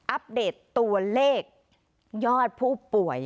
อัปเดตตัวเลขยอดผู้ป่วย